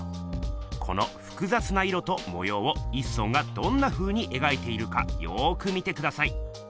このふくざつな色ともようを一村がどんなふうにえがいているかよく見てください。